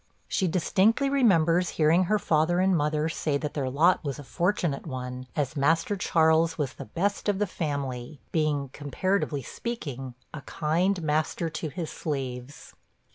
She distinctly remembers hearing her father and mother say, that their lot was a fortunate one, as Master Charles was the best of the family, being, comparatively speaking, a kind master to his slaves.